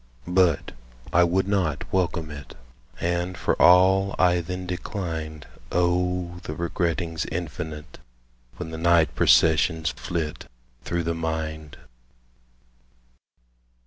But I would not welcome it; And for all I then declined O the regrettings infinite When the night processions flit Through the mind!